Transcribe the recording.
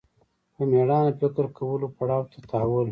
په مېړانه فکر کولو پړاو ته تحول